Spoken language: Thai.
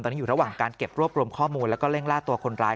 ตอนนี้อยู่ระหว่างการเก็บรวบรวมข้อมูลแล้วก็เร่งล่าตัวคนร้าย